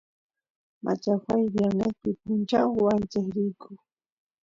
machajuay viernespi punchaw wancheq riyku